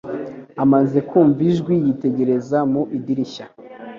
Amaze kumva ijwi, yitegereza mu idirishya